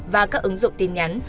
và các ứng dụng tin nhắn